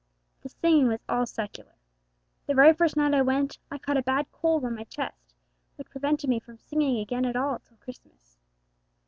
The singing was all secular. The very first night I went I caught a bad cold on my chest, which prevented me from singing again at all till Christmas.